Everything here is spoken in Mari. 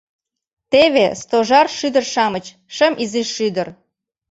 — Теве, Стожар шӱдыр-шамыч, шым изи шӱдыр.